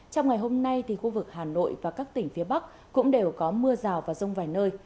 trong ngày hôm nay khu vực hà nội và các tỉnh phía bắc cũng đều có mưa rào và rông vài nơi